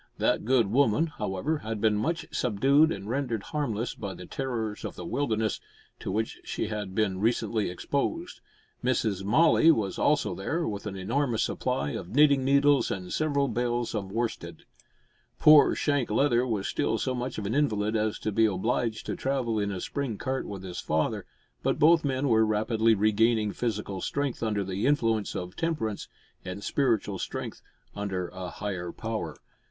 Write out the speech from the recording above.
That good woman, however, had been much subdued and rendered harmless by the terrors of the wilderness, to which she had been recently exposed. Miss Molloy was also there, with an enormous supply of knitting needles and several bales of worsted. Poor Shank Leather was still so much of an invalid as to be obliged to travel in a spring cart with his father, but both men were rapidly regaining physical strength under the influence of temperance, and spiritual strength under a higher power.